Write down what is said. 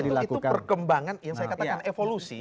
itu perkembangan yang saya katakan evolusi